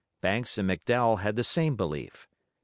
Banks and McDowell had the same belief.